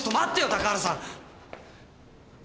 高原さん！